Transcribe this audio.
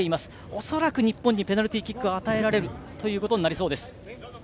恐らく日本にペナルティーキックが与えられることになりそうです。